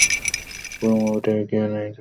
পুরো মুভিই এগিয়েছে এই নেটওয়ার্ক না পাওয়াকে নিয়ে।